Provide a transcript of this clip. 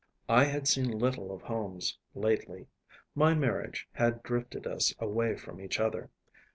I had seen little of Holmes lately. My marriage had drifted us away from each other.